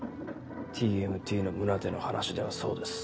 ＴＭＴの宗手の話ではそうです。